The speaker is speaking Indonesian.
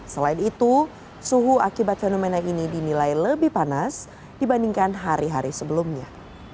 selain itu suhu akibat fenomena ini dinilai lebih panas dibandingkan hari hari sebelumnya